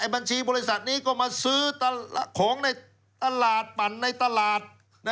บัญชีบริษัทนี้ก็มาซื้อของในตลาดปั่นในตลาด